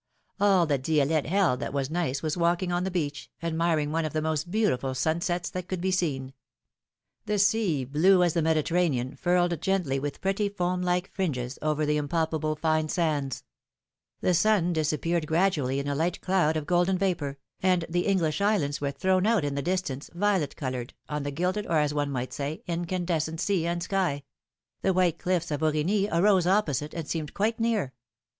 All that Di^lette held that was nice was walking on the beach, admiring one of the most beautiful feuusets that could be seen. The sea, blue as the 52 PHILOMENE^S MARRIAGES. Mediterranean, furled gently with pretty foam like fringes over the impalpable fine sands ; the sun disappeared grad ually in a light cloud of golden vapor, and the English islands were thrown out in the distance, violet colored, on the gilded, or as one might say, incandescent sea and sky : the white cliffs of Aurigny arose opposite and seemed quite near.